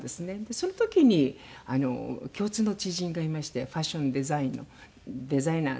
その時に共通の知人がいましてファッションデザインのデザイナーの。